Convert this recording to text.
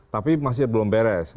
tapi masih belum beres